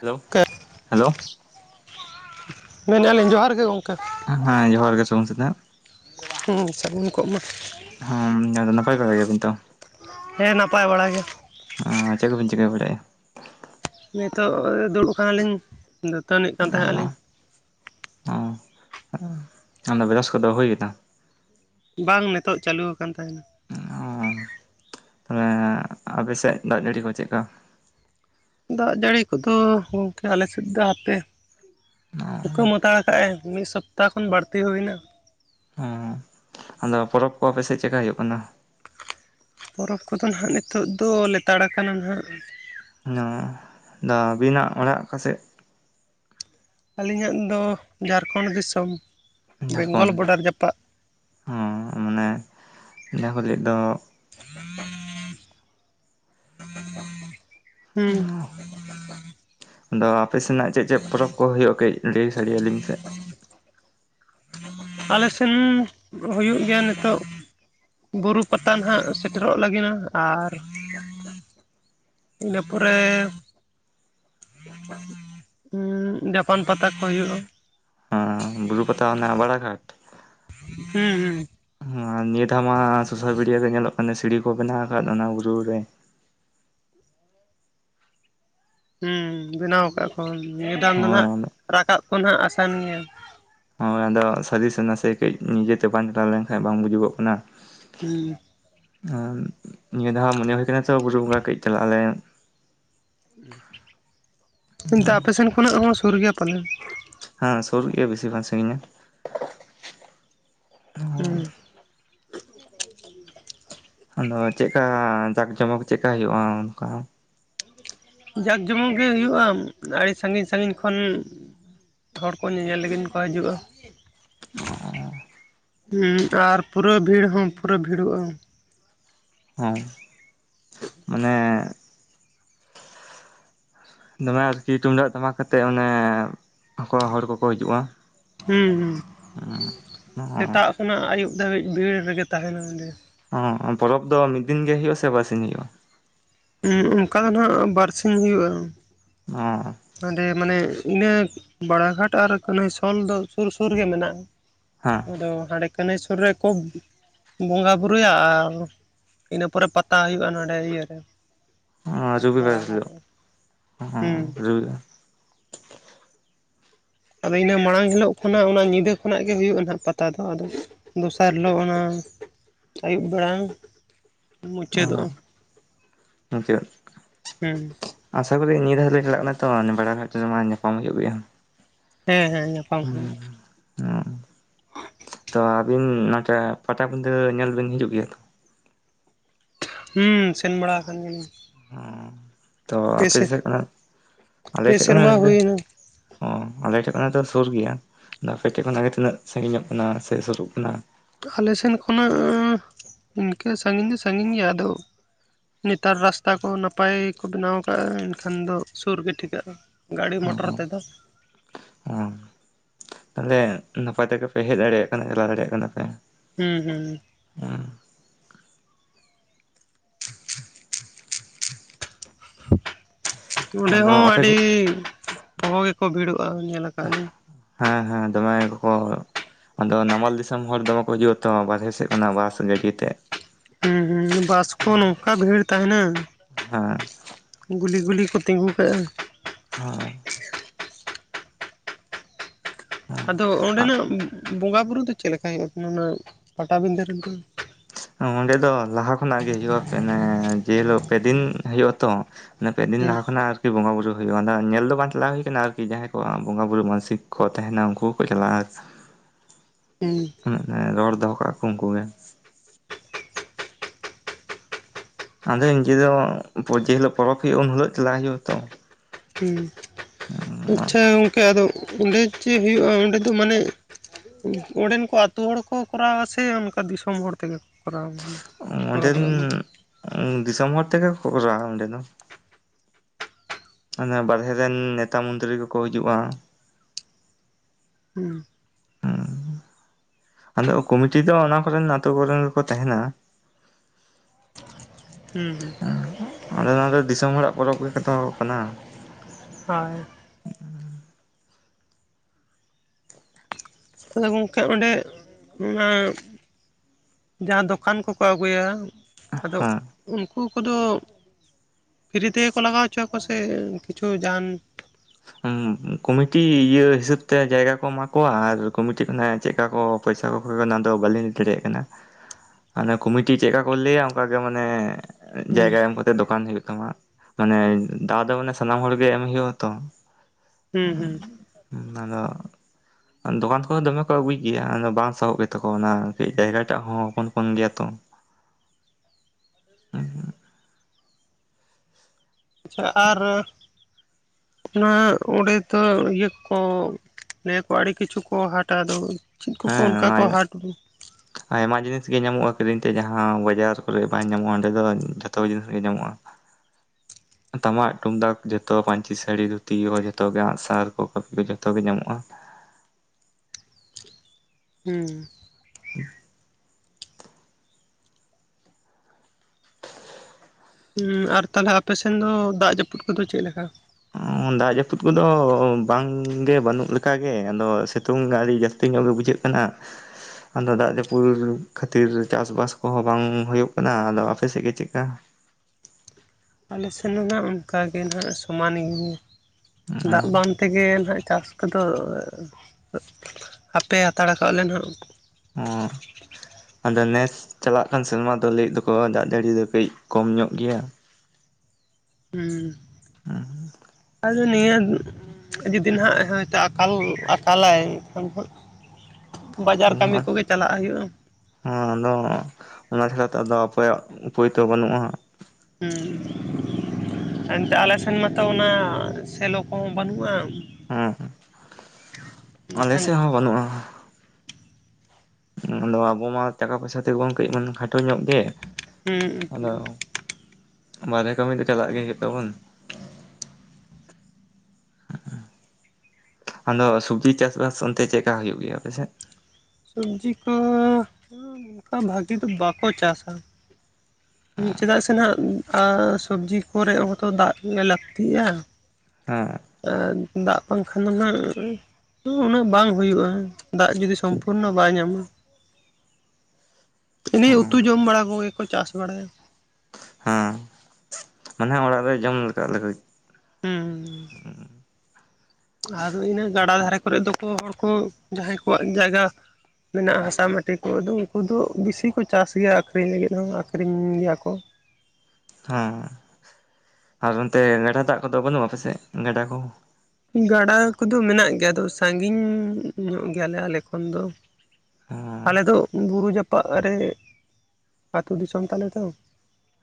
Hello ᱜᱚᱝᱠᱮ hello. ᱢᱮᱱᱮᱜ ᱟᱞᱤᱧ ᱡᱚᱦᱟᱨ ᱜᱮ ᱜᱚᱢᱠᱮ ᱦᱮᱸ ᱡᱚᱦᱟᱨ ᱜᱮ ᱥᱟᱹᱜᱩᱱ ᱥᱮᱛᱟᱜ᱾ ᱦᱩᱸ ᱥᱟᱹᱜᱩᱱ ᱠᱚᱜ-ᱢᱟ ᱦᱳᱢ ᱟᱫᱚ ᱱᱟᱯᱟᱭ ᱵᱟᱲᱟ ᱜᱮᱭᱟ ᱵᱤᱱ ᱛᱚ ᱦᱮᱸ ᱱᱟᱯᱟᱭ ᱵᱟᱲᱟ ᱜᱮ᱾ ᱟ ᱪᱮᱫ ᱠᱚᱵᱤᱱ ᱪᱤᱠᱟᱹ ᱵᱟᱲᱟᱭᱮᱜᱼᱟ? ᱱᱤᱛᱚᱜ ᱫᱩᱲᱩᱵ ᱠᱟᱱᱟᱞᱤᱧ ᱫᱟᱹᱛᱟᱹᱱᱤᱜ ᱠᱟᱱ ᱛᱟᱦᱮᱸᱜ ᱟᱹᱞᱤᱧ᱾ ᱚ ᱟᱫᱚ ᱵᱨᱟᱥ ᱠᱚᱫᱚ ᱦᱩᱭ ᱮᱱᱟ? ᱵᱟᱝ ᱱᱮᱛᱚᱜ ᱪᱟᱹᱞᱩᱣᱟᱠᱟᱱ ᱛᱟᱦᱮᱸᱱᱟ᱾ ᱚ ᱛᱟᱯᱚᱨᱮ ᱟᱯᱮᱥᱮᱫ ᱫᱟᱜ ᱡᱟᱹᱲᱤ ᱠᱚ ᱪᱮᱫᱠᱟ? ᱫᱟᱜ ᱡᱟᱹᱲᱤ ᱠᱚᱫᱚ ᱜᱚᱢᱠᱮ ᱟᱞᱮ ᱥᱮᱫ ᱫᱚ ᱦᱟᱯᱮᱼᱼ ᱛᱷᱩᱠᱟᱹᱢ ᱦᱟᱛᱟᱲ ᱠᱟᱜᱼᱮ ᱢᱤᱫ ᱥᱚᱯᱛᱟᱦᱚ ᱠᱷᱚᱱ ᱵᱟᱹᱲᱛᱤ ᱦᱩᱭᱮᱱᱟ᱾ ᱦᱮᱸ ᱟᱫᱚ ᱯᱚᱨᱚᱵᱽ ᱠᱚ ᱟᱯᱮᱥᱮᱫ ᱪᱮᱠᱟ ᱦᱳᱭᱳᱜ ᱠᱟᱱᱟ? ᱯᱚᱨᱚᱵᱽ ᱠᱚᱫᱚ ᱱᱟᱦᱟᱸᱜ ᱱᱤᱛᱚᱜ ᱫᱚ ᱞᱮᱛᱟᱲ ᱠᱟᱱᱟ ᱱᱟᱦᱟᱜ᱾ [unintelligible] ᱟᱹᱵᱤᱱᱟᱜ ᱚᱲᱟᱜ ᱚᱠᱟᱥᱮᱫ? ᱟᱹᱞᱤᱧᱟᱜ ᱫᱚ ᱡᱷᱟᱲᱠᱷᱚᱸᱰ ᱫᱤᱥᱚᱢ ᱵᱮᱝᱜᱚᱞ ᱵᱳᱰᱟᱨ ᱡᱟᱯᱟᱜ᱾ ᱳ ᱢᱟᱱᱮ ᱡᱟᱦᱟᱸ ᱠᱚ ᱞᱟᱹᱭᱮᱫ ᱫᱚᱼᱼ [unintelligible] ᱦᱩᱸ ᱟᱫᱚ ᱟᱯᱮ ᱥᱮᱱᱟᱜ ᱪᱮᱫ ᱪᱮᱫ ᱯᱚᱨᱚᱵᱽ ᱠᱚ ᱦᱩᱭᱩᱜᱼᱟ ᱠᱟᱹᱡ ᱞᱟᱹᱭ ᱥᱟᱲᱮᱭᱟᱹᱞᱤᱧ ᱢᱮᱥᱮᱫ? ᱟᱞᱮ ᱥᱮᱱ ᱦᱩᱭᱩᱜ ᱜᱮᱭᱟ ᱱᱤᱛᱚᱜᱼᱼ ᱵᱩᱨᱩ ᱯᱟᱛᱟ ᱱᱟᱦᱟᱜ ᱥᱮᱴᱮᱨᱚᱜ ᱞᱟᱹᱜᱤ ᱱᱟ ᱟᱨ ᱤᱱᱟᱹ ᱯᱚᱨᱮᱻ ᱩᱸ ᱡᱟᱯᱟᱱ ᱯᱟᱛᱟ ᱠᱚ ᱦᱳᱭᱳᱜᱼᱟ᱾ ᱵᱩᱨᱩ ᱯᱟᱛᱟ ᱚᱱᱟ ᱵᱟᱲᱟᱜᱷᱟᱴ? ᱦᱩᱸ ᱦᱩᱸ᱾ ᱱᱤᱭᱟᱹ ᱫᱷᱟᱣ ᱢᱟ ᱥᱳᱥᱟᱞ ᱢᱤᱰᱤᱭᱟ ᱨᱮ ᱧᱮᱞᱚᱜ ᱠᱟᱱᱟ ᱥᱤᱲᱤ ᱠᱚ ᱵᱮᱱᱟᱣ ᱟᱠᱟᱫ ᱚᱱᱟ ᱵᱩᱨᱩ ᱨᱮ᱾ ᱦᱮᱸ ᱵᱮᱱᱟᱣ ᱠᱟᱜᱼᱟ ᱠᱚ, ᱱᱤᱭᱟᱹ ᱫᱷᱟᱢ ᱫᱚ ᱦᱳᱭ ᱱᱟᱦᱟᱜ ᱨᱟᱠᱟᱵ ᱠᱚ ᱱᱟᱦᱟᱜ ᱟᱥᱟᱱ ᱜᱮᱭᱟ᱾ ᱦᱳᱭ ᱟᱫᱚ ᱥᱟᱹᱨᱤ ᱥᱮ ᱱᱟᱥᱮ ᱠᱟᱹᱡ ᱱᱤᱡᱮᱛᱮ ᱵᱟᱝ ᱪᱟᱞᱟᱣ ᱞᱮᱱᱠᱷᱟᱱ ᱵᱟᱝ ᱜᱩᱡᱩᱜᱚᱜ ᱠᱟᱱᱟ᱾ ᱦᱩᱸ᱾ ᱟᱨ ᱱᱤᱭᱟᱹ ᱫᱟᱦᱟᱣ ᱢᱚᱱᱮ ᱦᱩᱭ ᱠᱟᱱᱟ ᱛᱚ ᱵᱩᱨᱩ ᱵᱚᱸᱜᱟ ᱠᱟᱹᱡ ᱪᱟᱞᱟᱜ ᱟᱞᱮ᱾ ᱮᱱᱛᱮ ᱟᱯᱮ ᱥᱮᱱ ᱠᱷᱚᱱᱟᱜ ᱦᱚᱸ ᱥᱩᱨ ᱜᱮᱭᱟ ᱯᱟᱞᱮᱱ? ᱦᱮᱸ ᱥᱳᱨ ᱜᱮᱭᱟ ᱵᱤᱥᱤ ᱵᱟᱝ ᱥᱟᱹᱜᱤᱧᱟ᱾ ᱦᱩᱸ᱾ ᱟᱫᱚ ᱪᱮᱠᱠᱟ ᱡᱟᱠ ᱡᱚᱢᱚᱠ ᱪᱮᱠᱠᱟ ᱦᱩᱭᱩᱜᱼᱟ? ᱚᱱᱠᱟ ᱡᱟᱠ ᱡᱚᱢᱚᱠ ᱜᱮ ᱦᱩᱭᱩᱜᱼᱟ, ᱟᱹᱰᱤ ᱥᱟᱺᱜᱤᱧ ᱥᱟᱺᱜᱤᱧ ᱠᱷᱚᱱ ᱦᱚᱲ ᱠᱚ ᱧᱮᱧᱮᱞ ᱞᱟᱹᱜᱤᱱ ᱠᱚ ᱦᱤᱡᱩᱜᱼᱟ᱾ [unintelligible] ᱦᱩᱸ ᱟᱨ ᱯᱩᱨᱟᱹ ᱵᱷᱤᱲ ᱦᱚᱸ ᱯᱩᱨᱟᱹ ᱵᱷᱤᱲᱚᱜᱼᱟ᱾ ᱚᱸ ᱢᱟᱱᱮ ᱫᱚᱢᱮ ᱟᱨᱠᱤ ᱛᱩᱢᱫᱟᱹᱜ ᱴᱟᱢᱟᱠ ᱦᱟᱛᱮ ᱚᱱᱮ ᱠᱚ ᱦᱚᱲ ᱠᱚᱠᱚ ᱦᱤᱡᱩᱜᱼᱟ᱾ ᱦᱩᱸ ᱦᱩᱸ᱾ [unintelligible] ᱚᱱᱟ ᱟᱹᱭᱩᱵ ᱫᱷᱟᱹᱵᱤᱡ ᱵᱷᱤᱲ ᱨᱮᱜᱮ ᱛᱟᱦᱮᱱᱟ ᱚᱸᱰᱮ᱾ ᱚ ᱯᱚᱨᱚᱵᱽ ᱫᱚ ᱢᱤᱫ ᱫᱤᱱ ᱜᱮ ᱦᱩᱭᱩᱜᱼᱟ ᱥᱮ ᱵᱟᱹᱨᱥᱤᱧ ᱦᱩᱭᱩᱜᱼᱟ? [unintelligible] ᱚᱱᱠᱟ ᱫᱚ ᱱᱟᱦᱟᱜ ᱵᱟᱨᱥᱤᱧ ᱦᱩᱭᱩᱜᱼᱟ᱾ ᱚᱸ᱾ ᱦᱟᱸᱰᱮ ᱢᱟᱱᱮ ᱤᱱᱟᱹ ᱵᱟᱲᱟᱜᱷᱟᱴ ᱟᱨ ᱠᱟᱹᱱᱟᱹᱭᱥᱚᱞ ᱫᱚ ᱥᱩᱨ ᱥᱩᱨ ᱜᱮ ᱢᱮᱱᱟᱜᱼᱟ᱾ ᱦᱮᱸ᱾ ᱟᱫᱚ ᱦᱟᱸᱰᱮ ᱠᱟᱹᱱᱟᱹᱭ ᱥᱩᱨ ᱨᱮᱠᱚ ᱵᱚᱸᱜᱟ ᱵᱩᱨᱩᱭᱟ, ᱟᱨ ᱤᱱᱟᱹ ᱯᱚᱨᱮ ᱯᱟᱛᱟ ᱦᱩᱭᱩᱜᱼᱟ ᱱᱟᱰᱮ ᱤᱭᱟᱹ ᱨᱮ ᱨᱩᱵᱤᱠᱟᱨ ᱦᱩᱞᱳᱜ ᱟᱸ ᱦᱩᱸ ᱨᱩᱵᱤ [unintelligible] ᱟᱫᱚ ᱤᱱᱟᱹ ᱢᱟᱲᱟᱝ ᱦᱤᱞᱳᱜ ᱠᱷᱚᱱᱟᱜ ᱚᱱᱟ ᱧᱤᱫᱟᱹ ᱠᱷᱚᱱᱟᱜ ᱜᱮ ᱦᱩᱭᱩᱜᱼᱟ ᱱᱟᱦᱟᱜ ᱯᱟᱛᱟ ᱫᱚ ᱟᱫᱚ᱾ ᱫᱚᱥᱟᱨ ᱦᱤᱞᱳᱜ ᱚᱱᱟ ᱟᱹᱭᱩᱵ ᱵᱮᱲᱟ᱾ ᱢᱩᱪᱟᱹᱫᱚᱜᱼᱟ ᱦᱮᱸ [unintelligible] ᱟᱥᱟ ᱠᱩᱨᱤ ᱱᱤᱭᱟᱹ ᱫᱷᱟᱣ ᱞᱮ ᱪᱟᱞᱟᱜ ᱠᱟᱱᱟ ᱛᱚ ᱵᱟᱲᱟᱜᱦᱟᱴ ᱨᱮ ᱢᱟ ᱧᱟᱯᱟᱢ ᱦᱩᱭᱩᱜ ᱜᱮᱭᱟ᱾ ᱦᱮᱸ ᱦᱮᱸ ᱧᱟᱯᱟᱢ ᱦᱩᱭ ᱚᱸ ᱛᱚ ᱟᱹᱵᱤᱱ ᱱᱚᱛᱮ ᱯᱟᱴᱟᱵᱤᱸᱫᱟᱹ ᱧᱮᱞ ᱵᱤᱱ ᱦᱤᱡᱩᱜ ᱜᱮᱭᱟ ᱛᱚ? ᱦᱩᱸ ᱥᱮᱱ ᱵᱟᱲᱟ ᱟᱠᱟᱱ ᱜᱮᱭᱟ. ᱞᱤᱧ᱾ ᱚ ᱛᱚ ᱟᱯᱮ ᱥᱮᱫ ᱠᱷᱚᱱᱟᱜ, ᱟᱞᱮ ᱯᱮ ᱥᱮᱫ ᱠᱷᱚᱱᱟᱜ ᱥᱮᱨᱢᱟ [unintelligible] ᱦᱩᱭᱱᱟ ᱚ ᱟᱞᱮ ᱮᱴᱷᱮᱡ ᱠᱷᱚᱱᱟᱜ ᱫᱚ ᱥᱩᱨ ᱜᱤᱭᱟ᱾ ᱟᱫᱚ ᱟᱯᱮ ᱴᱷᱮᱡ ᱠᱷᱚᱱᱟᱜ ᱜᱮ ᱛᱤᱱᱟᱹᱜ ᱥᱟᱺᱜᱤᱱᱚᱜ ᱠᱟᱱᱟ ᱥᱮ ᱥᱩᱨᱩᱜ ᱠᱟᱱᱟ? ᱟᱞᱮ ᱥᱮᱱ ᱠᱷᱚᱱᱟᱜᱻ ᱤᱱᱠᱟᱹ ᱥᱟᱺᱜᱤᱧ ᱫᱚ ᱥᱟᱺᱜᱤᱧ ᱜᱮᱭᱟ ᱟᱫᱚ ᱱᱮᱛᱟᱨ ᱨᱟᱥᱛᱟ ᱠᱚ ᱱᱟᱯᱟᱭ ᱠᱚ ᱵᱮᱱᱟᱣ ᱟᱠᱟᱜᱼᱟ ᱮᱱᱠᱷᱟᱱ ᱫᱚ ᱥᱩᱨ ᱜᱮ ᱴᱷᱤᱠᱟᱹᱜᱼᱟ᱾ ᱜᱟᱹᱰᱤ ᱢᱚᱴᱚᱨ ᱛᱮ ᱫᱚ᱾ ᱛᱟᱦᱚᱞᱮ ᱱᱟᱯᱟᱭ ᱛᱮᱜᱮ ᱯᱮ ᱦᱮᱡ ᱫᱟᱲᱮᱭᱟᱜ ᱠᱟᱱᱟ, ᱪᱟᱞᱟᱣ ᱫᱟᱲᱮᱭᱟᱜ ᱠᱟᱱᱟ ᱯᱮ᱾ ᱦᱩᱸ ᱦᱩᱸ᱾ ᱦᱮᱸ᱾ [unintelligible] ᱚᱸᱰᱮ ᱟᱫᱚ ᱦᱚᱸ ᱟᱯᱮ ᱥᱮᱫ ᱟᱹᱰᱤ ᱯᱚᱦᱚ ᱜᱮ ᱠᱚ ᱵᱷᱤᱲᱚᱜᱼᱟ ᱧᱮᱞ ᱟᱠᱟᱜ-ᱟ ᱞᱤᱞ᱾ ᱦᱮᱸ ᱦᱮᱸ ᱫᱚᱢᱮ ᱜᱮ ᱠᱚ ᱟᱫᱚ ᱱᱟᱢᱟᱞ ᱫᱤᱥᱚᱢ ᱦᱚᱲ ᱫᱚᱢᱮ ᱠᱚ ᱦᱤᱡᱩᱜᱼᱟ ᱛᱚ ᱵᱟᱨᱦᱮ ᱥᱮᱫ ᱠᱷᱱᱟᱜ ᱵᱟᱥ ᱜᱟᱹᱰᱤ ᱛᱮ᱾ ᱦᱩᱸ ᱦᱩᱸ, ᱵᱟᱥ ᱠᱚ ᱱᱚᱝᱠᱟ ᱵᱷᱤᱲ ᱛᱟᱦᱮᱱᱟ ᱾ ᱦᱮᱸ ᱾ ᱜᱩᱞᱤ ᱜᱩᱞᱤ ᱠᱚ ᱛᱤᱸᱜᱩ ᱠᱟᱜᱼᱟ ᱾ ᱦᱮᱸ ᱟᱫᱚ ᱚᱸᱰᱮᱱᱟᱜ ᱵᱚᱸᱜᱟ ᱵᱩᱨᱩ ᱫᱚ ᱪᱮᱫ ᱞᱮᱠᱟ ᱦᱩᱭᱩᱜ ᱱᱟᱦᱟᱸᱜ ᱚᱱᱟ ᱯᱟᱴᱟᱵᱤᱸᱫᱟᱹ ᱨᱮ ᱫᱚ? ᱚᱸᱰᱮ ᱫᱚ ᱞᱟᱦᱟ ᱠᱷᱚᱱᱟᱜ ᱜᱮ ᱦᱩᱭᱩᱜᱼᱟ ᱯᱮᱱᱮ, ᱡᱮ ᱦᱤᱞᱳᱜ ᱯᱮ ᱫᱤᱱ ᱦᱩᱭᱩᱜ-ᱟ ᱛᱚ ᱾ ᱚᱱᱟ ᱯᱮ ᱫᱤᱱ ᱦᱩᱸ ᱞᱟᱦᱟ ᱠᱷᱚᱱᱟᱜ ᱟᱨ ᱠᱤ ᱵᱚᱸᱜᱟ ᱵᱩᱨᱩ ᱦᱩᱭᱩᱜᱼᱟ ᱧᱮᱞ ᱫᱚ ᱵᱟᱝ ᱪᱟᱞᱟᱣ ᱦᱩᱭ ᱟᱠᱟᱱᱟ ᱟᱨᱠᱤ ᱡᱟᱦᱟᱸᱭ ᱠᱚ ᱵᱚᱸᱜᱟ ᱵᱩᱨᱩ ᱢᱟᱱᱥᱤᱠ ᱠᱚ ᱛᱟᱦᱮᱱᱟ ᱩᱱᱠᱩ ᱦᱚᱸᱠᱚ ᱪᱟᱞᱟᱜᱼᱟ ᱟᱨ ᱦᱩᱸ ᱾ [unintelligible] ᱨᱚᱲ ᱫᱚᱦᱚ ᱠᱟᱜ-ᱟ ᱠᱚ ᱩᱱᱠᱩ ᱜᱮ ᱾ ᱟᱫᱚ ᱱᱤᱡᱮ ᱫᱚ ᱯᱚ... ᱡᱮ ᱦᱤᱞᱚᱜ ᱯᱚᱨᱚᱵᱽ ᱦᱩᱭᱩᱜᱼᱟ ᱩᱱ ᱦᱤᱞᱚᱜ ᱪᱟᱞᱟᱜ ᱦᱩᱭᱩᱜᱼᱟ ᱛᱚ ᱾ ᱦᱮᱸ, ᱟᱪᱪᱷᱟ ᱜᱚᱝᱠᱮ ᱾ ᱟᱫᱚ ᱚᱸᱰᱮ ᱪᱮᱫ ᱦᱩᱭᱩᱜᱼᱟ ᱚᱸᱰᱮ ᱫᱚ ᱢᱟᱱᱮ? ᱚᱸᱰᱮᱱ ᱠᱚ ᱟᱹᱛᱩ ᱦᱚᱲ ᱠᱚ ᱠᱚᱨᱟᱣᱟ ᱥᱮ ᱚᱱᱠᱟ ᱫᱤᱥᱚᱢ ᱦᱚᱲ ᱛᱮᱜᱮ ᱠᱚ ᱠᱚᱨᱟᱣᱟ ᱢᱟ? ᱚᱸᱰᱮᱱ ᱫᱤᱥᱚᱢ ᱦᱚᱲ ᱛᱮᱜᱮ ᱠᱚᱨᱟᱣᱟ ᱚᱸᱰᱮ ᱫᱚ ᱾ ᱚᱱᱮ ᱵᱟᱨᱦᱮ ᱨᱮᱱ ᱱᱮᱛᱟ ᱢᱱᱛᱨᱤ ᱠᱚᱠᱚ ᱦᱤᱡᱩᱜᱼᱟ ᱾ ᱦᱩᱸ ᱟᱫᱚ ᱠᱚᱢᱤᱴᱤ ᱫᱚ ᱚᱱᱟ ᱠᱚᱨᱮᱱ ᱟ. ᱛᱩ ᱠᱚᱨᱮᱱ ᱜᱮᱠᱚ ᱛᱟᱦᱮᱱᱟ ᱾ ᱦᱩᱸ ᱦᱩᱸ ᱾ ᱟᱫᱚ ᱱᱚᱣᱟ ᱫᱚ ᱫᱤᱥᱚᱢ ᱦᱚᱲᱟᱜ ᱯᱚᱨᱚᱵᱽ ᱜᱮ ᱠᱟᱛᱟᱣ ᱠᱟᱱᱟ ᱾ ᱦᱳᱭ ᱾ ᱟᱫᱚ ᱜᱚᱝᱠᱮ ᱚᱸᱰᱮ ᱚᱱᱟ ᱡᱟᱦᱟᱸ ᱫᱚᱠᱟᱱ ᱠᱚᱠᱚ ᱟᱹᱜᱩᱭᱟ ᱟᱫᱚ ᱩᱱᱠᱩ ᱠᱚᱫᱚ ᱯᱷᱤᱨᱤ ᱛᱮᱜᱮ ᱠᱚ ᱞᱟᱜᱟᱣ ᱚᱪᱚ ᱟᱠᱚ ᱥᱮ ᱠᱤᱪᱷᱩ ᱡᱟᱱ ᱩᱸᱻ ᱠᱚᱢᱤᱴᱤ ᱤᱭᱟᱹ ᱦᱤᱥᱟᱹᱵ ᱛᱮ ᱡᱟᱭᱜᱟ ᱠᱚ ᱮᱢᱟ ᱠᱚᱣᱟ ᱟᱨ ᱠᱚᱢᱤᱴᱤ ᱠᱷᱚᱱᱟᱜ ᱪᱮᱫᱠᱟ ᱠᱚ ᱯᱚᱭᱥᱟᱹ ᱠᱚ ᱠᱷᱚᱡ ᱚᱱᱟ ᱫᱚ ᱵᱟᱹᱞᱤᱧ ᱞᱟᱹᱭ ᱫᱟᱲᱮᱭᱟᱜ ᱠᱟᱱᱟ ᱾ ᱢᱟᱱᱮ ᱠᱚᱢᱤᱴᱤ ᱪᱮᱫ ᱞᱮᱠᱟ ᱠᱚ ᱞᱟᱹᱭᱟ ᱚᱱᱠᱟ ᱜᱮ ᱢᱟᱱᱮ ᱦᱩᱸ ᱡᱟᱭᱜᱟ ᱮᱢ ᱠᱟᱛᱮ ᱫᱚᱠᱟᱱ ᱦᱩᱭᱩᱜ ᱛᱟᱢᱟ ᱢᱟᱱᱮ ᱫᱟᱣ ᱫᱚ ᱢᱟᱱᱮ ᱥᱟᱱᱟᱢ ᱦᱚᱲ ᱜᱮ ᱮᱢ ᱦᱩᱭᱩᱜᱼᱟ ᱛᱚ ᱾ ᱦᱩᱸ ᱦᱩᱸ ᱾ ᱚᱱᱟᱫᱚ ᱾ ᱫᱚᱠᱟᱱ ᱠᱚᱦᱚᱸ ᱫᱚᱢᱮ ᱠᱚ ᱟᱹᱜᱩᱭ ᱜᱮᱭᱟ ᱟᱫᱚ ᱵᱟᱝ ᱥᱟᱦᱚᱵ ᱜᱮ ᱛᱟᱠᱳᱣᱟ ᱚᱱᱟ ᱠᱟᱹᱡ ᱡᱟᱭᱜᱟ ᱴᱟᱜ ᱦᱚᱸ ᱦᱚᱯᱚᱱ ᱦᱚᱯᱚᱱ ᱜᱮᱭᱟ ᱛᱚ ᱾ [unintelligible] ᱟᱪᱪᱷᱟ ᱟᱨ ᱚᱱᱟ ᱚᱸᱰᱮ ᱫᱚ ᱤᱭᱟᱹ ᱠᱚ ᱱᱤᱭᱟᱹ ᱠᱚ ᱟᱹᱰᱤ ᱠᱤᱪᱷᱩ ᱠᱚ ᱦᱟᱴ-ᱟ ᱟᱫᱚ ᱪᱮᱫ ᱠᱚᱠᱚ ᱦᱮᱸ ᱚᱱᱠᱟ ᱠᱚ ᱦᱟᱴ ᱦᱩᱸ [unintelligible] ᱟᱭᱢᱟ ᱡᱤᱱᱤᱥ ᱜᱮ ᱧᱟᱢᱚᱜᱼᱟ ᱠᱤᱨᱤᱧ ᱛᱮ ᱡᱟᱦᱟᱸ ᱵᱟᱡᱟᱨ ᱠᱚᱨᱮ ᱵᱟᱝ ᱧᱟᱢᱚᱜᱼᱟ ᱚᱸᱰᱮ ᱫᱚ ᱡᱷᱚᱛᱚ ᱡᱤᱱᱤᱥ ᱜᱮ ᱧᱟᱢᱚᱜᱼᱟ ᱾ [inaudible] ᱛᱟᱢᱟᱜ, ᱴᱩᱢᱫᱟᱜ ᱡᱚᱛᱚ ᱯᱟᱹᱧᱪᱤ ᱥᱟᱹᱲᱤ, ᱫᱷᱩᱛᱤ ᱠᱚ ᱡᱚᱛᱚ ᱜᱮ ᱟᱸᱜᱥᱟᱨ ᱠᱚ ᱠᱟᱹᱯᱤ ᱠᱚ ᱡᱚᱛᱚᱜ ᱜᱮ ᱧᱟᱢᱚᱜᱼᱟ ᱾ ᱦᱩᱸ ᱾ ᱛ [inaudible] ᱦᱩᱸ, ᱟᱨ ᱛᱟᱞᱦᱮ ᱟᱯᱮ ᱥᱮᱱ ᱫᱚ ᱫᱟᱜ ᱡᱟᱹᱯᱩᱫ ᱠᱚᱫᱚ ᱪᱮᱫ ᱞᱮᱠᱟ? ᱫᱟᱜ ᱡᱟᱹᱯᱩᱫ ᱠᱚᱫᱚ ᱵᱟᱝᱜᱮ ᱵᱟᱹᱱᱩᱜ ᱞᱮᱠᱟᱜ ᱜᱮ, ᱟᱫᱚ ᱥᱤᱛᱩᱝ ᱟᱹᱰᱤ ᱡᱟᱹᱥᱛᱤ ᱧᱚᱜ ᱜᱮ ᱵᱩᱡᱷᱟᱹᱜ ᱠᱟᱱᱟ ᱟᱫᱚ ᱫᱟᱜ ᱡᱟᱹᱯᱩᱫ ᱠᱷᱟᱹᱛᱤᱨ ᱪᱟᱥᱼᱵᱟᱥ ᱠᱚᱦᱚᱸ ᱵᱟᱝ ᱦᱩᱭᱩᱜ ᱠᱟᱱᱟ ᱾ ᱟᱫᱚ ᱟᱯᱮ ᱥᱮᱫ ᱜᱮ ᱪᱮᱫᱞᱮᱠᱟ.? ᱟᱞᱮ ᱥᱮᱱ ᱫᱚ ᱚᱱᱠᱟ ᱜᱮ ᱱᱟᱦᱜ ᱥᱚᱢᱟᱱ ᱜᱮ ᱫᱟᱜ ᱵᱟᱝ ᱛᱮᱜᱮ ᱱᱟᱦᱜ ᱪᱟᱥ ᱠᱚᱫᱚ ᱦᱟᱯᱮ ᱦᱟᱛᱟᱲ ᱠᱟᱜᱞᱮ ᱱᱟᱦᱜ ᱚᱸ ᱾ ᱟᱫᱚ ᱱᱮᱥ ᱪᱟᱞᱟᱜ ᱠᱟᱱ ᱥᱮᱨᱢᱟ ᱫᱚ ᱞᱟᱹᱭ ᱫᱚᱠᱚ ᱫᱟᱜ ᱡᱟᱹᱲᱤ ᱫᱚ ᱠᱟᱹᱡ ᱠᱚᱢ ᱧᱚᱜ ᱜᱮᱭᱟ ᱾ ᱦᱩᱸ᱾ ᱦᱩᱸ ᱦᱩᱸ ᱾ ᱟᱫᱚ ᱱᱤᱭᱟᱹ ᱡᱩᱫᱤ ᱱᱟᱦᱜ ᱦᱚᱭᱛᱳ ᱟᱠᱟᱞ ᱟᱠᱟᱞᱟᱭ ᱮᱱᱠᱷᱟᱱ ᱵᱟᱡᱟᱨ ᱠᱟᱹᱢᱤ ᱠᱚᱜᱮ ᱪᱟᱞᱟᱜ ᱦᱩᱭᱩᱜᱼᱟ ᱦᱩᱸᱱᱩᱸ ᱚᱱᱟ ᱪᱷᱟᱲᱟᱛᱚ ᱟᱫᱚ ᱚᱠᱚᱭᱟᱜ ᱩᱯᱟᱹᱭ ᱛᱚ ᱵᱟᱹᱱᱩᱜᱼᱟ ᱦᱩᱸ ᱮᱱᱛᱮ ᱟᱞᱮ ᱥᱮᱱ ᱢᱟᱛᱚ ᱚᱱᱟ ᱥᱮᱞᱚ ᱠᱚᱦᱚᱸ ᱵᱟᱹᱱᱩᱜᱼᱟ ᱦᱩᱸ ᱮᱱᱠᱷᱟᱱ ᱟᱞᱮᱥᱮᱜ ᱦᱚᱸ ᱵᱟᱹᱱᱩᱜᱼᱟ ᱟᱫᱚ ᱟᱵᱚᱢ ᱢᱟ ᱴᱟᱠᱟ ᱯᱚᱭᱥᱟ ᱛᱮᱜᱮᱵᱚᱱ ᱠᱟᱹᱡ ᱵᱚᱱ ᱠᱷᱟᱴᱚ ᱧᱚᱜ ᱜᱮ ᱦᱩᱸ ᱟᱫᱚ ᱵᱟᱨᱦᱮ ᱠᱟᱹᱢᱤ ᱫᱚ ᱪᱟᱞᱟᱜ ᱜᱮ ᱦᱩᱭᱩᱜ ᱛᱟᱵᱚᱱᱩ ᱟᱫᱚ ᱥᱩᱵᱡᱤ ᱪᱟᱥᱵᱟᱥ ᱚᱱᱛᱮ ᱪᱮᱫᱠᱟ ᱦᱩᱭᱩᱜ ᱜᱮᱭᱟ ᱟᱯᱮᱥᱫ? ᱥᱚᱵᱡᱤ ᱠᱚ ᱠᱟ ᱵᱷᱟᱹᱜᱤ ᱫᱚ ᱵᱟᱠᱚ ᱪᱟᱥᱟ ᱪᱮᱫᱟᱜ ᱥᱮ ᱱᱟᱜ ᱥᱚᱵᱡᱤ ᱠᱚᱨᱮᱜ ᱦᱚᱸ ᱫᱟᱜ ᱞᱟᱹᱠᱛᱤᱜᱼᱟ ᱦᱮᱸ ᱟᱨ ᱫᱟᱜ ᱵᱟᱝᱠᱷᱟᱱ ᱫᱚ ᱱᱦᱟᱜ ᱩᱱᱟᱹᱜ ᱵᱟᱝ ᱦᱩᱭᱩᱜᱼᱟ ᱫᱟᱜ ᱡᱩᱫᱤ ᱥᱚᱢᱯᱩᱨᱱᱚ ᱵᱟᱭ ᱧᱟᱢᱟ ᱩᱱᱤᱭ ᱩᱛᱩ ᱦᱮᱸ ᱡᱚᱢ ᱵᱟᱲᱟ ᱠᱚᱜᱮ ᱠᱚ ᱪᱟᱥ ᱵᱟᱲᱟᱭᱟ ᱦᱮᱸ ᱢᱟᱱᱦᱮ ᱚᱲᱟᱜ ᱨᱮ ᱡᱚᱢ ᱞᱮᱠᱟᱜ ᱞᱮ ᱜᱮ ᱦᱩᱸ ᱦᱮᱸ ᱟᱨ ᱤᱱᱟᱹ ᱜᱟᱰᱟ ᱫᱷᱟᱨᱮ ᱠᱚᱨᱮ ᱫᱚᱠᱚ ᱦᱚᱲ ᱠᱚ ᱡᱟᱦᱟᱸᱭ ᱠᱚᱣᱟᱜ ᱡᱟᱭᱜᱟ ᱢᱮᱱᱟᱜᱼᱟ ᱦᱟᱥᱟ ᱢᱟᱹᱴᱤ ᱠᱚ ᱟᱫᱚ ᱩᱱᱠᱩ ᱫᱚ ᱵᱤᱥᱤ ᱠᱚ ᱪᱟᱥ ᱜᱮᱭᱟ ᱟᱠᱷᱨᱤᱧ ᱞᱟᱹᱜᱤᱫ ᱦᱚᱸ ᱟᱠᱷᱨᱤᱧ ᱜᱮᱭᱟ ᱠᱚ ᱦᱮᱸ ᱟᱨ ᱚᱱᱛᱮ ᱜᱟᱰᱟ ᱫᱟᱜ ᱠᱚᱫᱚ ᱵᱟᱹᱱᱩᱜᱼᱟ ᱟᱯᱮᱥᱮᱫ? ᱜᱟᱰᱟ ᱠᱚ ᱜᱟᱰᱟ ᱠᱚᱫᱚ ᱢᱮᱱᱟᱜ ᱜᱮᱭᱟ ᱟᱫᱚ ᱥᱟᱺᱜᱤᱧ ᱧᱚᱜ ᱜᱮᱭᱟᱞᱮ ᱟᱞᱮ ᱠᱷᱚᱱ ᱫᱚ ᱦᱮᱸ ᱟᱞᱮ ᱫᱚ ᱵᱩᱨᱩ ᱡᱟᱯᱟᱜ ᱨᱮ ᱟᱹᱛᱩᱳ ᱫᱤᱥᱚᱢ ᱛᱟᱞᱮ ᱛᱚ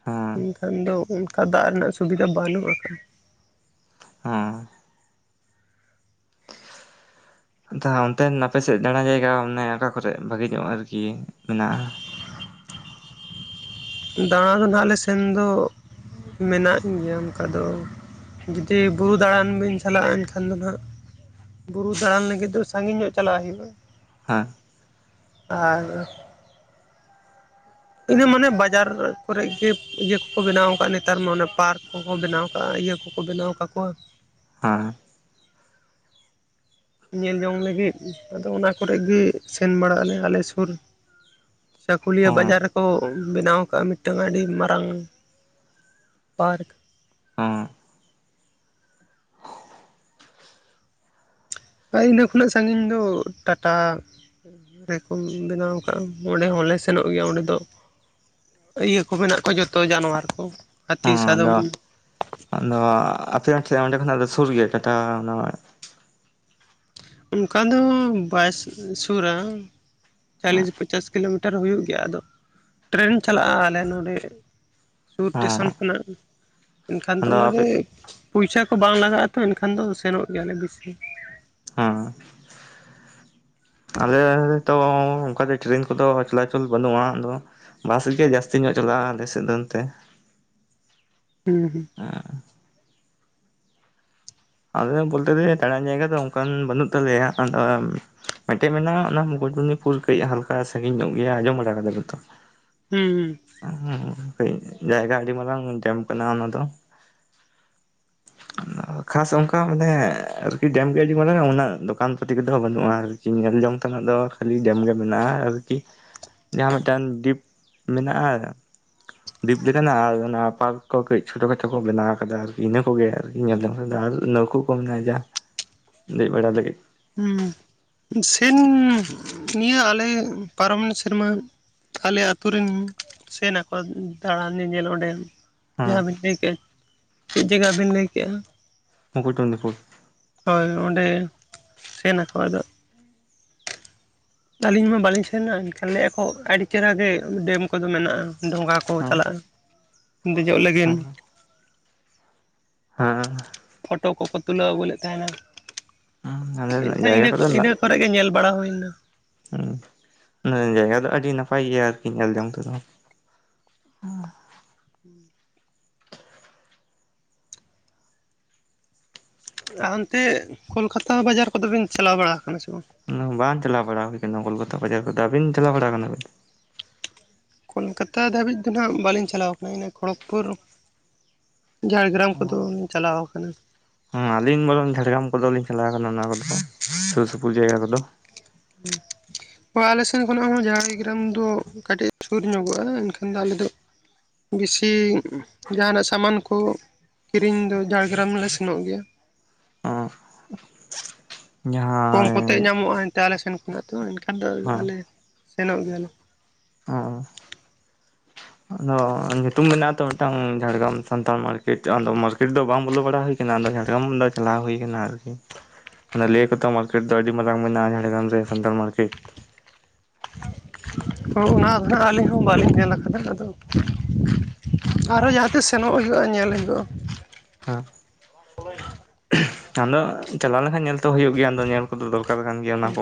ᱦᱮᱸ ᱮᱱᱠᱷᱟᱱ ᱫᱚ ᱚᱱᱠᱟ ᱫᱟᱜ ᱨᱮᱱᱟᱜ ᱥᱩᱵᱤᱫᱷᱟ ᱵᱟᱹᱱᱩᱜ ᱠᱟᱜ-ᱟ ᱦᱟᱸ ᱟᱦ ᱚᱱᱛᱮ ᱟᱯᱮᱥᱮᱫ ᱫᱟᱬᱟ ᱡᱟᱭᱜᱟ ᱟᱱᱮ ᱚᱠᱟ ᱠᱚᱨᱮ ᱵᱷᱟᱹᱜᱤ ᱧᱚᱜ ᱟᱨᱠᱤ ᱢᱮᱱᱟᱜᱼᱟ ᱫᱟᱬᱟ ᱨᱮᱫᱚ ᱟᱞᱮ ᱥᱮᱱ ᱫᱚ ᱢᱮᱱᱟᱜ ᱜᱮᱭᱟ ᱚᱱᱠᱟ ᱫᱚ ᱡᱩᱫᱤ ᱵᱩᱨᱩ ᱫᱟᱬᱟᱱ ᱵᱤᱱ ᱪᱟᱞᱟᱜᱼᱟ ᱮᱱᱠᱷᱟᱱ ᱫᱚ ᱫᱟᱬᱟᱱ ᱞᱟᱹᱜᱤᱫ ᱫᱚ ᱥᱟᱺᱜᱤᱧ ᱧᱚᱜ ᱪᱟᱞᱟᱜ ᱦᱩᱭᱩᱜᱼᱟ ᱦᱟᱸ ᱟᱪᱷᱟ ᱤᱱᱟᱹ ᱢᱟᱱᱮ ᱵᱟᱡᱟᱨ ᱠᱚᱨᱮ ᱜᱮ ᱤᱭᱟᱹ ᱠᱚᱠᱚ ᱵᱮᱱᱟᱣ ᱟᱠᱟᱟᱜᱼᱟ ᱱᱮᱛᱟᱨ ᱢᱟ ᱮ ᱯᱟᱨᱠ ᱠᱚᱠᱚ ᱵᱮᱱᱟᱣ ᱠᱟᱜᱼᱟ ᱤᱭᱟᱹ ᱠᱚ ᱠᱚ ᱵᱮᱱᱟᱣ ᱠᱟᱜᱠᱚᱣᱟ ᱦᱮᱸ ᱧᱮᱞ ᱡᱚᱝ ᱞᱟᱹᱜᱤᱫ ᱟᱫᱚ ᱚᱱᱟ ᱠᱚᱨᱮ ᱜᱮ ᱥᱮᱱ ᱵᱟᱲᱟᱜ ᱟᱞᱮ ᱟᱞᱮ ᱥᱳᱨ ᱪᱟᱠᱩᱞᱤᱭᱟᱹ ᱚ ᱵᱟᱡᱟᱨ ᱠᱚ ᱵᱮᱱᱟᱣ ᱠᱟᱜᱼᱟ ᱢᱤᱫᱴᱟᱝ ᱟᱹᱰᱤ ᱢᱟᱨᱟᱝ ᱯᱟᱨᱠ ᱦᱮᱸ ᱚᱠᱟ ᱤᱱᱟᱹ ᱠᱷᱚᱱᱟᱜ ᱥᱟᱺᱜᱤᱧ ᱫᱚ ᱴᱟᱴᱟ ᱾ ᱨᱮ ᱠᱚᱢ ᱵᱮᱱᱟᱣ ᱠᱟᱜᱼᱟ ᱚᱸᱰᱮ ᱦᱚᱸᱞᱮ ᱥᱮᱱᱚᱜ ᱜᱮᱭᱟ ᱚᱸᱰᱮ ᱫᱚ᱾ ᱤᱭᱟᱹ ᱠᱚ ᱢᱮᱱᱟᱜ ᱠᱚᱣᱟ ᱡᱚᱛᱚ ᱡᱟᱱᱣᱟᱨ ᱠᱚ ᱦᱟᱹᱛᱤ ᱦᱮᱸ ᱥᱟᱫᱚᱢ᱾ ᱟᱫᱚ ᱟᱫᱚ ᱟᱯᱮᱭᱟᱜ ᱠᱷᱤ ᱚᱸᱰᱮ ᱠᱷᱚᱱᱟᱜ ᱫᱚ ᱥᱩᱨ ᱜᱮᱭᱟ ᱴᱟᱴᱟ ᱚᱱᱟ? ᱚᱱᱠᱟ ᱫᱚ ᱵᱟᱭ ᱥᱩᱨᱟ ᱪᱟᱞᱤᱥ ᱯᱟᱪᱟᱥ ᱠᱤᱞᱳᱢᱤᱴᱟᱨ᱾ ᱥᱮᱴᱮᱨ ᱦᱩᱭᱩᱜ ᱜᱮᱭᱟ ᱟᱫᱚ ᱴᱨᱮᱱ ᱪᱟᱞᱟᱜᱼᱟ ᱟᱞᱮ ᱱᱚᱱᱰᱮ᱾ ᱥᱩᱨ ᱴᱮᱥᱚᱱ ᱠᱷᱚᱱᱟᱜ ᱮᱱᱠᱷᱟᱱ ᱫᱚ ᱦᱮᱸ ᱟᱫᱚ ᱟᱯᱮ ᱚᱱᱟᱨᱮ ᱾ ᱯᱩᱭᱥᱟ ᱠᱚ ᱵᱟᱝ ᱞᱟᱜᱟᱜᱼᱟ ᱛᱚ ᱮᱱᱠᱷᱟᱱ ᱫᱚ ᱥᱮᱱᱚᱜ ᱜᱮᱭᱟᱞᱮ ᱵᱮᱥᱤ ᱾ ᱦᱮᱸ ᱟᱞᱮ ᱛᱚᱸ ᱚᱱᱠᱟ ᱴᱨᱮᱱ ᱠᱚᱫᱚ ᱪᱚᱞᱟᱪᱚᱞ ᱵᱟᱹᱱᱩᱜᱼᱟ ᱟᱫᱚ ᱵᱟᱥ ᱜᱮ ᱡᱟᱹᱥᱛᱤ ᱧᱚᱜ ᱪᱟᱞᱟᱜᱼᱟ ᱟᱞᱮ ᱥᱮᱫ ᱫᱚ ᱱᱚᱛᱮ᱾ [unintelligible] ᱦᱩᱸ ᱦᱩᱸ ᱟᱸᱻ ᱟᱸᱻ ᱟᱞᱮᱫᱚ ᱵᱚᱞᱛᱮ ᱫᱚ ᱫᱟᱲᱟᱱ ᱡᱟᱭᱜᱟ ᱫᱚ ᱚᱱᱠᱟᱱ ᱵᱟᱹᱱᱩᱜ ᱛᱟᱞᱮᱭᱟ ᱾ ᱢᱮᱫᱴᱮᱱ ᱢᱮᱱᱟᱜᱼᱟ ᱚᱱᱟ ᱢᱩᱠᱩᱴᱢᱚᱱᱤᱯᱩᱨ ᱠᱟᱹᱡ ᱦᱟᱞᱠᱟ ᱥᱟᱺᱜᱤᱧ ᱧᱚᱜ ᱜᱮᱭᱟ ᱟᱸᱡᱚᱢ ᱵᱟᱲᱟ ᱠᱟᱫᱟ ᱯᱮᱛᱚ ᱦᱩᱸᱻ ᱦᱩᱸᱻ ᱡᱟᱭᱜᱟ ᱟᱰᱤ ᱢᱟᱨᱟᱝ ᱡᱟᱢ ᱠᱟᱱᱟ ᱚᱱᱟ ᱫᱚ᱾ ᱚᱱᱟ [inaudible] ᱠᱷᱟᱥ ᱚᱝᱠᱟ ᱢᱟᱱᱮ ᱟᱨᱠᱤ ᱰᱮᱢ ᱜᱮ ᱟᱹᱰᱤ ᱢᱟᱨᱟᱝᱟ ᱚᱱᱟ ᱫᱚᱠᱟᱱ ᱯᱟᱹᱛᱤ ᱠᱚᱫᱚ ᱵᱟᱹᱱᱩᱜᱼᱟ ᱟᱨ ᱧᱮᱞ ᱡᱚᱝ ᱛᱮᱱᱟᱜ ᱫᱚ ᱠᱷᱟᱹᱞᱤ ᱰᱮᱢ ᱜᱮ ᱢᱮᱱᱟᱜᱼᱟ ᱟᱨᱠᱤ᱾ ᱡᱟᱦᱟᱸ ᱢᱤᱫᱴᱟᱝ ᱰᱤᱯ ᱢᱮᱱᱟᱜᱼᱟ᱾ ᱫᱤᱯ ᱞᱮᱠᱟᱱᱟ ᱟᱨ ᱚᱱᱟ ᱯᱟᱨᱠ ᱠᱚ ᱠᱟᱹᱡ ᱪᱷᱳᱴᱳ ᱠᱷᱟᱴᱳ ᱠᱚ ᱵᱮᱱᱟᱣ ᱠᱟᱫᱟ ᱟᱨᱠᱤ ᱤᱱᱟᱹ ᱠᱚᱜᱮ ᱟᱨᱠᱤ ᱧᱮᱞ ᱫᱚ᱾ ᱟᱨ ᱱᱟᱹᱣᱠᱟᱹ ᱠᱚ ᱢᱮᱱᱟᱜᱼᱟ ᱡᱟ ᱫᱮᱡ ᱵᱟᱲᱟ ᱞᱟᱹᱜᱤᱫ᱾ ᱦᱩᱸ ᱥᱮᱱ ᱱᱤᱭᱟᱹ ᱟᱞᱮ ᱯᱟᱨᱚᱢᱮᱱ ᱥᱮᱨᱢᱟ᱾ ᱟᱞᱮ ᱟᱛᱩ ᱨᱤᱱ ᱥᱮᱱ ᱟᱠᱚ ᱫᱟᱬᱟᱱ ᱧᱮᱧᱮᱞ ᱚᱱᱰᱮ᱾ ᱦᱮᱸ ᱡᱟᱸᱦᱟᱸ ᱵᱤᱱ ᱞᱟᱹᱭ ᱠᱮᱜᱼᱟ ᱪᱮᱫ ᱡᱟᱭᱜᱟ ᱵᱤᱱ ᱞᱟᱹᱭᱠᱮᱜᱼᱟ? ᱢᱩᱠᱩᱴᱢᱚᱱᱤᱯᱩᱨ᱾ ᱦᱳᱭ ᱚᱸᱰᱮ ᱥᱮᱱ ᱟᱠᱚ ᱟᱫᱚ᱾ ᱟᱹᱞᱤᱧ ᱢᱟ ᱵᱟᱞᱤᱧ ᱥᱮᱱᱟ ᱮᱱᱠᱷᱟᱱ ᱞᱟᱹᱭᱮᱜᱼᱟ ᱠᱚ ᱟᱹᱰᱤ ᱪᱮᱦᱮᱨᱟᱜᱮ ᱰᱮᱢ ᱠᱚᱫᱚ ᱢᱮᱱᱟᱜᱼᱟ ᱰᱷᱚᱸᱜᱟ ᱠᱚ ᱦᱮᱸ ᱪᱟᱞᱟᱜᱼᱟ ᱫᱮᱡᱚᱜ ᱞᱟᱹᱜᱤᱱ᱾ ᱦᱮᱸᱻ ᱯᱷᱚᱴᱚ ᱠᱚᱠᱚ ᱛᱩᱞᱟᱹᱣ ᱟᱜᱩ ᱞᱮᱫ ᱛᱟᱦᱮᱱᱟ ᱦᱮᱸ ᱚᱸᱰᱮ ᱱᱟᱜ ᱮᱱᱠᱷᱟᱱ ᱡᱟᱭᱜᱟ ᱤᱱᱟᱹ ᱠᱚ ᱠᱚᱫᱚ ᱤᱱᱟᱹ ᱱᱟᱜ ᱠᱚᱨᱮᱜ ᱜᱮ ᱧᱮᱞ ᱵᱟᱲᱟ ᱦᱳᱭ ᱱᱟ᱾ ᱦᱩᱸ ᱡᱟᱭᱜᱟ ᱫᱚ ᱟᱰᱤ ᱱᱟᱯᱟᱭ ᱜᱮᱭᱟ ᱟᱨᱠᱤ ᱧᱮᱞ ᱡᱚᱝ ᱛᱮᱫᱚ᱾ ᱦᱩᱸ [unintelligible] ᱟ ᱦᱟᱱᱛᱮ ᱠᱳᱞᱠᱟᱛᱟ ᱵᱟᱡᱟᱨ ᱠᱚᱫᱚᱵᱮᱱ ᱪᱟᱞᱟᱣ ᱵᱟᱲᱟᱣ ᱠᱟᱱᱟ ᱥᱮ ᱵᱟᱝ? ᱚᱱᱟ ᱵᱟᱝ ᱪᱟᱞᱟᱣ ᱵᱟᱲᱟ ᱦᱩᱭ ᱠᱟᱱᱟ ᱠᱳᱞᱠᱟᱛᱟ ᱵᱟᱡᱟᱨ ᱠᱚᱫᱚ ᱟᱵᱤᱱ ᱪᱟᱞᱟᱣ ᱵᱟᱲᱟᱣ ᱠᱟᱱᱟᱵᱤᱱ? ᱠᱳᱞᱠᱟᱛᱟ ᱫᱷᱟᱹᱵᱤᱡ ᱫᱚ ᱱᱟᱦᱟᱜ ᱵᱟᱞᱤᱧ ᱪᱟᱞᱟᱣ ᱠᱟᱱᱟ ᱤᱱᱟᱹ ᱠᱷᱚᱲᱚᱠᱽᱯᱩᱨ᱾ ᱡᱷᱟᱲᱮᱜᱮᱨᱟᱢ ᱠᱚᱫᱚᱧ ᱪᱟᱞᱟᱣ ᱠᱟᱱᱟ᱾ ᱦᱩᱸ ᱟᱞᱤᱧ ᱵᱚᱨᱚᱝ ᱡᱷᱟᱲᱜᱮᱨᱟᱢ ᱠᱚᱫᱚᱞᱤᱧ ᱪᱟᱞᱟᱣ ᱠᱟᱱᱟ ᱚᱱᱟ ᱠᱚᱫᱚ ᱥᱩᱨ ᱥᱩᱯᱩᱨ ᱡᱟᱭᱜᱟ ᱠᱚᱫᱚ᱾ ᱦᱮᱸ [unintelligible] ᱛᱚ ᱟᱞᱮᱥᱮᱱ ᱠᱷᱚᱱᱟᱜ ᱦᱚᱸ ᱡᱷᱟᱲᱜᱮᱨᱟᱢ ᱫᱚ ᱠᱟᱴᱤᱡ ᱥᱩᱨ ᱧᱚᱜᱚᱜᱼᱟ ᱮᱱᱠᱷᱟᱱ ᱫᱚ ᱟᱞᱮ ᱫᱚ᱾ ᱵᱮᱥᱤ ᱡᱟᱦᱟᱱᱟᱜ ᱥᱟᱢᱟᱱ ᱠᱚ᱾ ᱠᱤᱨᱤᱧ ᱫᱚ ᱡᱷᱟᱲᱮᱜᱮᱨᱟᱢ ᱞᱮ ᱥᱮᱱᱚᱜ ᱜᱮᱭᱟ᱾ ᱠᱚᱢ ᱠᱚᱛᱮ ᱡᱟᱦᱟᱸᱭ ᱧᱟᱢᱚᱜᱼᱟ ᱮᱱᱛᱮ ᱟᱞᱮ ᱥᱮᱱ ᱠᱷᱚᱱᱟᱜ ᱛᱚ ᱮᱱᱠᱷᱟᱱ ᱫᱚ ᱦᱮᱸ ᱟᱞᱮ ᱥᱮᱱᱚᱜ ᱜᱮᱭᱟᱞᱮ᱾ ᱚᱸᱻ ᱟᱫᱚ ᱧᱩᱛᱩᱢ ᱢᱮᱱᱟᱜᱼᱟ ᱛᱚ ᱢᱤᱫᱴᱟᱝ ᱡᱷᱟᱲᱮᱜᱮᱨᱟᱢ ᱥᱟᱱᱛᱟᱲ ᱢᱟᱨᱠᱮᱴ ᱟᱫᱚ ᱢᱟᱨᱠᱮᱴ ᱫᱚ ᱵᱟᱝ ᱵᱚᱞᱚ ᱵᱟᱲᱟ ᱦᱩᱭ ᱟᱫᱚ ᱡᱷᱟᱲᱮᱜᱮᱨᱟᱢ ᱫᱚ ᱪᱟᱞᱟᱣ ᱦᱩᱭ ᱟᱠᱟᱱᱟ ᱟᱨᱠᱤ ᱾ ᱚᱱᱟ ᱞᱟᱹᱭ ᱟ ᱠᱚᱛᱚ ᱢᱟᱨᱠᱮᱴ ᱫᱚ ᱟᱰᱤ ᱢᱟᱨᱟᱝ ᱢᱮᱱᱟᱜᱼᱟ ᱡᱷᱟᱲᱮᱜᱮᱨᱟᱢ ᱨᱮ ᱥᱟᱱᱛᱟᱲ ᱢᱟᱨᱠᱮᱴ᱾ ᱳ ᱚᱱᱟ ᱫᱚ ᱦᱟᱸᱜ ᱟᱹᱞᱤᱧ ᱦᱚᱸ ᱵᱟᱹᱞᱤᱧ ᱧᱮᱞ ᱠᱟᱫᱟ ᱟᱸᱫᱚ᱾ ᱟᱨᱚ ᱡᱟᱸᱦᱟᱸ ᱛᱤᱥ ᱥᱮᱱᱚᱜ ᱦᱩᱭᱩᱜᱼᱟ ᱧᱮᱞ ᱦᱩᱭᱩᱜᱼᱟ᱾ ᱦᱩᱸ ᱟᱫᱚ ᱪᱟᱞᱟᱣ ᱞᱮᱱᱠᱷᱟᱱ ᱧᱮᱞᱛᱚ ᱦᱩᱭᱩᱜ ᱜᱮᱭᱟ ᱟᱫᱚ ᱧᱮᱞ ᱠᱚᱫᱚ ᱫᱚᱨᱠᱟᱨ ᱠᱟᱱ ᱜᱮᱭᱟ ᱚᱱᱟ ᱠᱚ